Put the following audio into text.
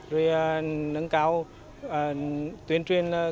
rồi nâng cao tuyên truyền